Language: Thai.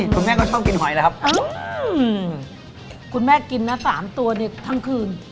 คุณแม่ก็ชอบกินหอยแล้วครับคุณแม่กินนะ๓ตัวเนี่ยทั้งคืน